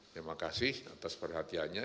terima kasih atas perhatiannya